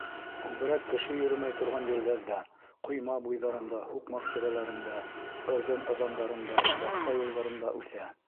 Күберәк кеше йөрөмәй торған ерҙәрҙә: ҡойма буйҙарында, һуҡмаҡ тирәләрендә, ырҙын ыҙандарында, баҡса юлдарында үҫә.